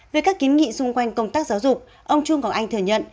với các kiến nghị xung quanh công tác giáo dục ông trung cọc anh thừa nhận